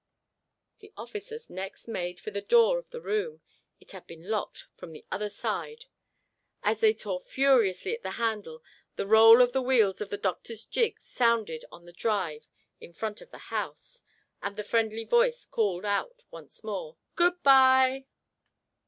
The officers next made for the door of the room. It had been locked from the other side. As they tore furiously at the handle, the roll of the wheels of the doctor's gig sounded on the drive in front of the house; and the friendly voice called out once more, "Good by!"